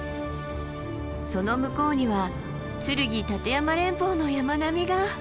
その向こうには剱・立山連峰の山並みが。